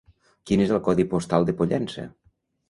Quin és el codi postal de Pollença?